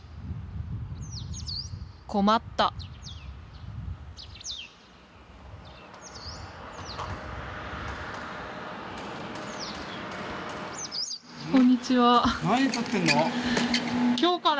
困ったこんにちは。